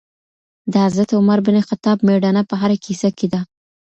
د حضرت عمر بن خطاب مېړانه په هره کیسې کي ده.